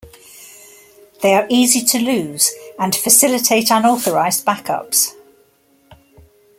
They are easy to lose and facilitate unauthorized backups.